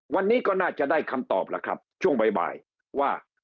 วันนี้ก็น่าจะได้คำตอบแล้วครับช่วงบ่ายว่า